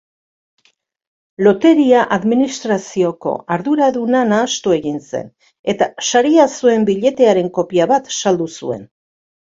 Loteria-administrazioko arduraduna nahastu egin zen eta saria zuen biletearen kopia bat saldu zuen.